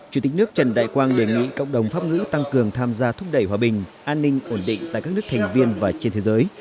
chủ tịch nước trần đại quang đề nghị cộng đồng pháp ngữ tăng cường tham gia thúc đẩy hòa bình an ninh ổn định tại các nước thành viên và trên thế giới